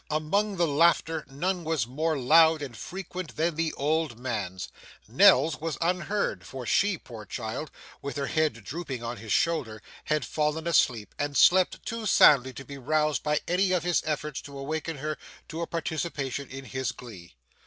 Among the laughter none was more loud and frequent than the old man's. Nell's was unheard, for she, poor child, with her head drooping on his shoulder, had fallen asleep, and slept too soundly to be roused by any of his efforts to awaken her to a participation in his glee.